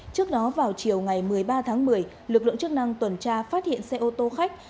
trước đó vào chiều ngày một mươi ba tháng một mươi lực lượng chức năng tuần tra phát hiện xe ô tô khách